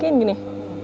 wah panas banget